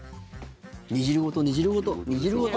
煮汁ごと、煮汁ごと、煮汁ごと。